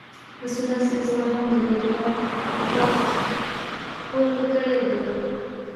رسول الله هم د بیت الله په خوا کې ښکل کړی دی.